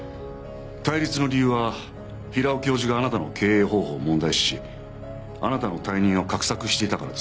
対立の理由は平尾教授があなたの経営方法を問題視しあなたの退任を画策していたからです。